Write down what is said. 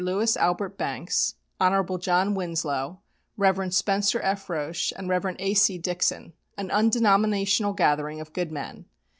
Louis Albert Banks, Hon. John Winslow, Rev. Spencer F. Roche, and Rev. A.C. Dixon an undenominational gathering of good men.